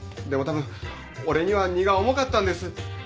でもたぶん俺には荷が重かったんです。